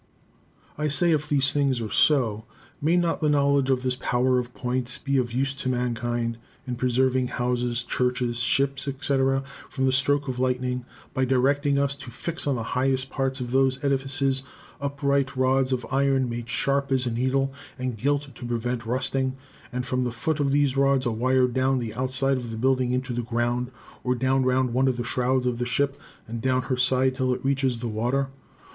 "I say, if these things are so, may not the knowledge of this power of points be of use to mankind in preserving houses, churches, ships, etc., from the stroke of lightning by directing us to fix on the highest parts of those edifices upright rods of iron made sharp as a needle, and gilt to prevent rusting, and from the foot of those rods a wire down the outside of the building into the ground, or down round one of the shrouds of the ship, and down her side till it reaches the water?